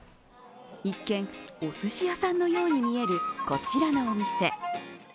一見、おすし屋さんのように見えるこちらのお店。